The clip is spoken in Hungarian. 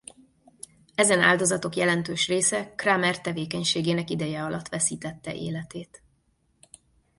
Ezen áldozatok jelentős része Kramer tevékenységének ideje alatt veszítette életét.